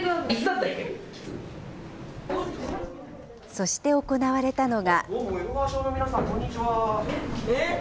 そして行われたのが。